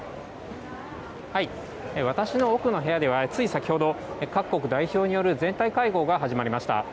私の奥の部屋では、つい先ほど各国代表による全体会合が始まりました。